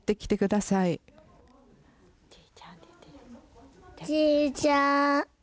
じいちゃん。